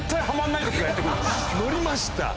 乗りました。